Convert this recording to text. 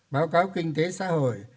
báo cáo kinh tế xã hội